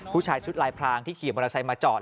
ผู้ชายชุดลายพรางที่ขี่มอเตอร์ไซค์มาจอด